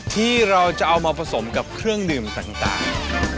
ที่เราจะเอามาผสมกับเครื่องดื่มต่าง